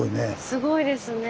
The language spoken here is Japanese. すごいですね。